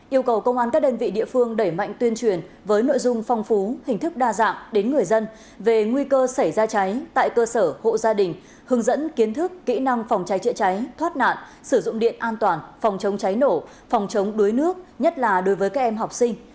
yêu cầu công an các đơn vị địa phương đẩy mạnh tuyên truyền với nội dung phong phú hình thức đa dạng đến người dân về nguy cơ xảy ra cháy tại cơ sở hộ gia đình hướng dẫn kiến thức kỹ năng phòng cháy chữa cháy thoát nạn sử dụng điện an toàn phòng chống cháy nổ phòng chống đuối nước nhất là đối với các em học sinh